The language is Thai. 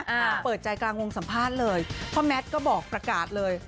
เปิดใจกลางวงสัมภาษณ์เลยพ่อแมทก็บอกประกาศเลย